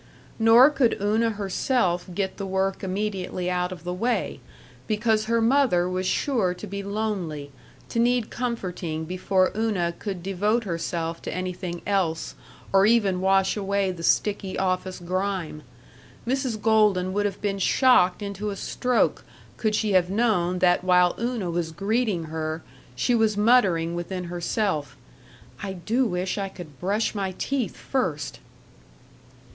Nor could Una herself get the work immediately out of the way, because her mother was sure to be lonely, to need comforting before Una could devote herself to anything else or even wash away the sticky office grime.... Mrs. Golden would have been shocked into a stroke could she have known that while Una was greeting her, she was muttering within herself, "I do wish I could brush my teeth first!"